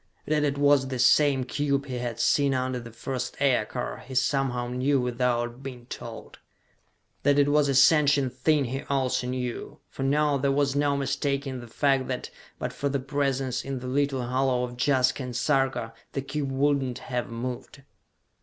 That it was the same cube he had seen under the first aircar, he somehow knew without being told. That it was a sentient thing he also knew, for now there was no mistaking the fact that, but for the presence in the little hollow of Jaska and Sarka, the cube would not have moved.